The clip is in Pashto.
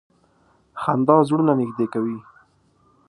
• خندا زړونه نږدې کوي.